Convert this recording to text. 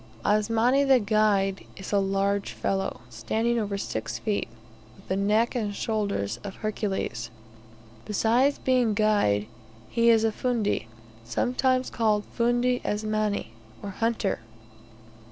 Asmani the guide is a large fellow, standing over six feet, with the neck and shoulders of a Hercules. Besides being guide, he is a fundi, sometimes called Fundi Asmani, or hunter.